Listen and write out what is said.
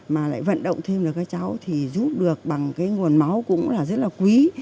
mà lại vận động thêm được các cháu thì giúp được bằng cái nguồn máu cũng là rất là quý